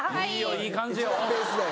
いい感じよ。